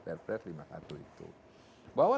perpres lima puluh satu itu bahwa